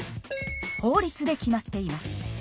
法律で決まっています。